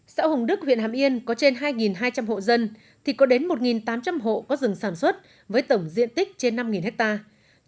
xã hùng đức huyện hàm yên có trên hai hai trăm linh hộ dân thì có đến một tám trăm linh hộ có rừng sản xuất với tổng diện tích trên năm hectare